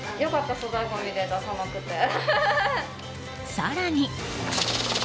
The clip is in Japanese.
更に。